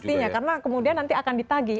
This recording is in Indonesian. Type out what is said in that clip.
pastinya karena kemudian nanti akan ditagi